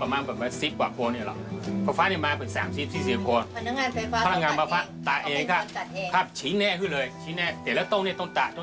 แต่ละต้นต่างผลังงานไฟฟ้าชิ้นแน่เลย